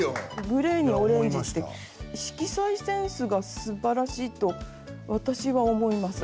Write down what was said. グレーにオレンジって色彩センスがすばらしいと私は思います。